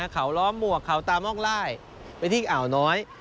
เขาล้อมวกเขาตามองล่ายไปที่เอาน้อย